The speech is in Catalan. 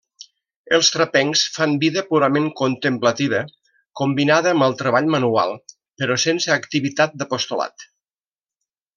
Els trapencs fan vida purament contemplativa, combinada amb el treball manual, però sense activitat d'apostolat.